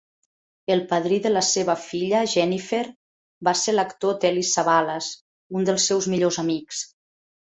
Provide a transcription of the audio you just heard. El padrí de la seva filla, Jennifer, va ser l'actor Telly Savalas, un dels seus millors amics.